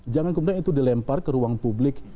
jangan kemudian itu dilempar ke ruang publik